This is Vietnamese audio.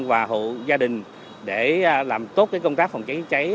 và hộ gia đình để làm tốt công tác phòng trái chữa trái